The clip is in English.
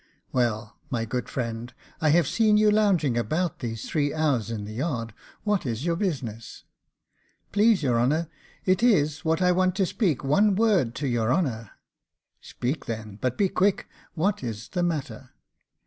'Well, my good friend, I have seen you lounging about these three hours in the yard; what is your business?' 'Please your honour, it is what I want to speak one word to your honour.' 'Speak then, but be quick. What is the matter?